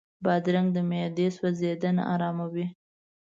بادرنګ د معدې سوځېدنه آراموي.